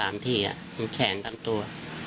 มีแขนทั้งตัว